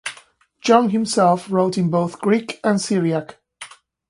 John himself wrote in both Greek and Syriac.